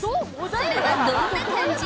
それはどんな感じ？